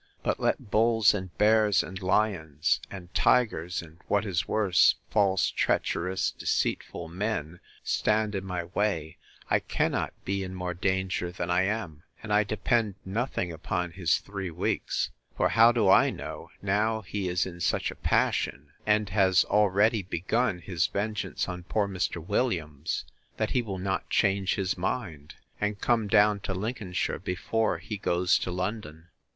But let bulls, and bears, and lions, and tigers, and, what is worse, false, treacherous, deceitful men, stand in my way, I cannot be in more danger than I am; and I depend nothing upon his three weeks: for how do I know, now he is in such a passion, and has already begun his vengeance on poor Mr. Williams, that he will not change his mind, and come down to Lincolnshire before he goes to London?